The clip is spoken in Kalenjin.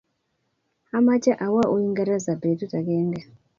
amache awok Uingereza betut agenge.